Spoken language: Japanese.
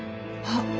あっ。